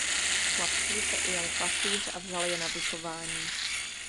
Chlapců se ujal pastýř a vzal je na vychování.